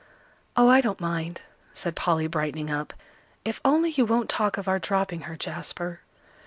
"Oh, I don't mind," said Polly, brightening up, "if only you won't talk of our dropping her, Jasper."